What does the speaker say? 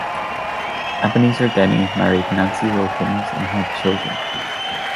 Ebenezer Denny married Nancy Wilkins and had children.